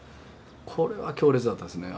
これは強烈だったですね。